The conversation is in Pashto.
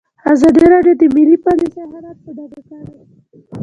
ازادي راډیو د مالي پالیسي حالت په ډاګه کړی.